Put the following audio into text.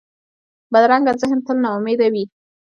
بدرنګه ذهن تل ناامیده وي